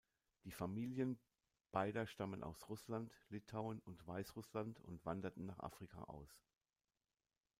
Die Familien beider stammen aus Russland, Litauen und Weißrussland und wanderten nach Afrika aus.